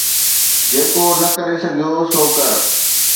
جيڪو نه ڪري سگهيو سو ڪر